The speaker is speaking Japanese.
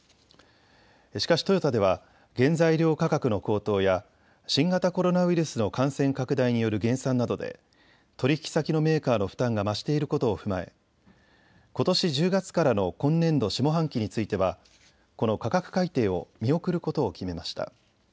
しかしトヨタでは原材料価格の高騰や新型コロナウイルスの感染拡大による減産などで取引先のメーカーの負担が増していることを踏まえことし１０月からの今年度下半期についてはこの価格改定を見送ることを決めました。